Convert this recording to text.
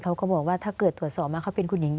เขาก็บอกว่าถ้าเกิดตรวจสอบมาเขาเป็นคุณหญิง